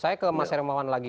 saya ke mas hermawan lagi